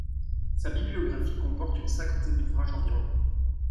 Sa bibliographie comporte une cinquantaine d'ouvrages environ.